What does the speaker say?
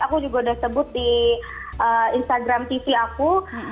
aku juga udah sebut di instagram tv aku